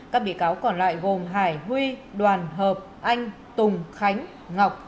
các bị cáo còn lại gồm hải huy đoàn hợp anh tùng khánh ngọc